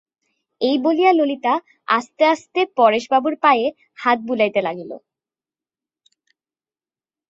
এই বলিয়া ললিতা আস্তে আস্তে পরেশবাবুর পায়ে হাত বুলাইতে লাগিল।